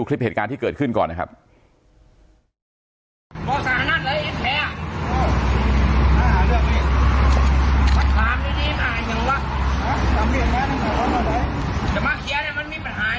มีปัญหาอย่างเจอได้กับทำร่วมเหลือน่ะ